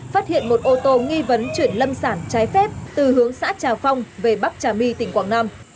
phát hiện một ô tô nghi vấn chuyển lâm sản trái phép từ hướng xã trà phong về bắc trà my tỉnh quảng nam